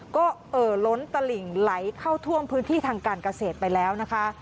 ก็เอ่อล้นตลิ่งไหลเข้าท่วมพื้นที่ทางการเกษตรไปแล้วนะคะ